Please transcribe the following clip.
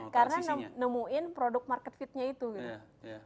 karena nemuin produk market fitnya itu gitu